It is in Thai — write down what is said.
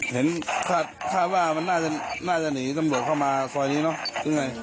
เห็นคาดว่ามันน่าจะหนีตำรวจเข้ามาซอยนี้เนอะ